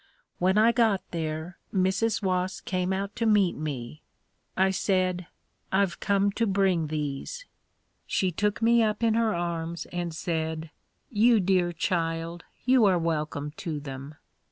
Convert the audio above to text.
When I got there, Mrs. Wass came out to meet me. I said, "I've come to bring these." She took me up in her arms and said, "You dear child, you are welcome to them."